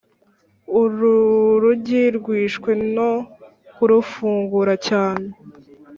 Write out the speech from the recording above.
uru rugi rwishwe no kurufungura cyane